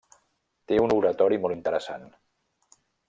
Té un oratori molt interessant.